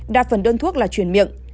đa phần đơn thuốc là chuyển miệng